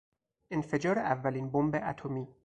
انفجار اولین بمب اتمی